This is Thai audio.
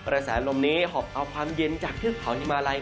ระแสลมลมนี้หอบเอาความเย็นจากเครื่องเผานิมาลัย